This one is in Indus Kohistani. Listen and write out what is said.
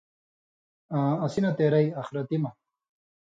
(آں اسی نہ تېرئ، آخرتی مہ)،